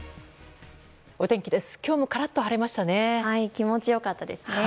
お天気です。